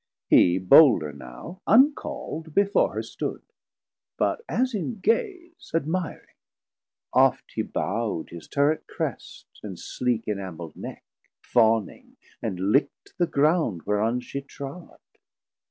Hee boulder now, uncall'd before her stood; But as in gaze admiring: Oft he bowd His turret Crest, and sleek enamel'd Neck, Fawning, and lick'd the ground whereon she trod.